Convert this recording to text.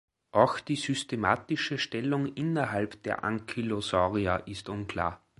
Auch die systematische Stellung innerhalb der Ankylosauria ist unklar.